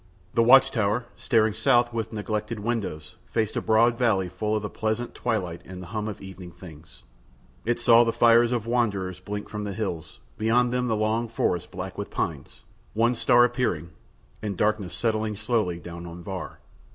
The watch tower, staring South with neglected windows, faced a broad valley full of the pleasant twilight and the hum of evening things: it saw the fires of wanderers blink from the hills, beyond them the long forest black with pines, one star appearing, and darkness settling slowly down on Var.